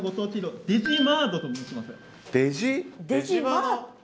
デジマート？